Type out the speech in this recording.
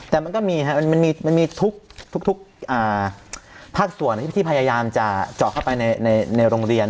แต่มันก็มีครับมันมีทุกภาคส่วนที่พยายามจะเจาะเข้าไปในโรงเรียน